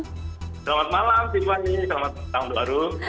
selamat malam tiffany selamat tahun baru